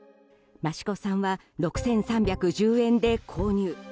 益子さんは６３１０円で購入。